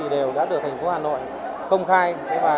đều đã được thành phố hà nội công khai